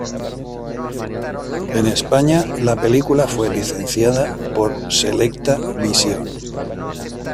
En España la película fue licenciada por Selecta Visión.